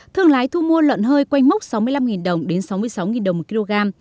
thương lái thu mua lợn hơi quanh mốc sáu mươi năm đồng đến sáu mươi sáu đồng một kg